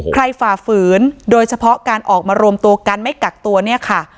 ฝ่าฝืนโดยเฉพาะการออกมารวมตัวกันไม่กักตัวเนี่ยค่ะ